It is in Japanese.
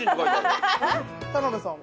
田辺さんは？